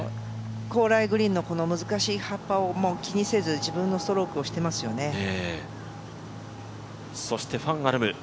高麗グリーンの難しい葉っぱを気にせず自分のストロークをしていますよね。